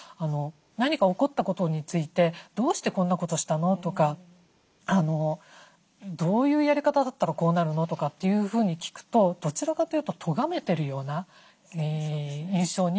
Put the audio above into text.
何か起こったことについて「どうしてこんなことしたの？」とか「どういうやり方だったらこうなるの？」とかっていうふうに聞くとどちらかというととがめてるような印象になってしまうことがあるので。